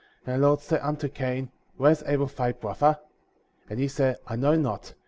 * And the Lord said unto Cain: Where is Abel, thy brother ? And he said : I know not.